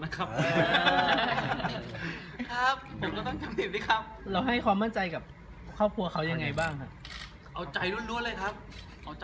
กับเข้าคนเขายังไงบ้างอ่ะ